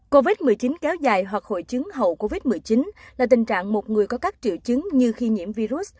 covid một mươi chín kéo dài hoặc hội chứng hậu covid một mươi chín là tình trạng một người có các triệu chứng như khi nhiễm virus